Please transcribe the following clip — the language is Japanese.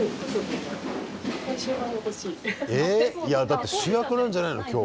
⁉いやだって主役なんじゃないの？